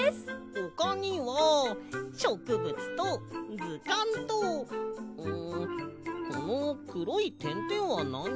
ほかにはしょくぶつとずかんとうんこのくろいてんてんはなに？